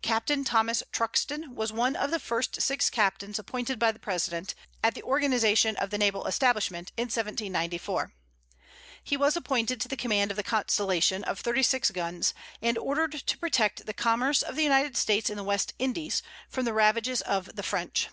Captain Thomas Truxton was one of the first six captains appointed by the President, at the organization of the naval establishment, in 1794. He was appointed to the command of the Constellation of thirty six guns, and ordered to protect the commerce of the United States in the West Indies, from the ravages of the French.